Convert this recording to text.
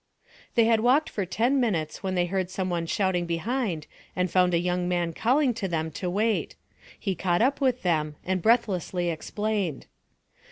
They had walked for ten minutes when they heard some one shouting behind and found a young man calling to them to wait. He caught up with them and breathlessly explained.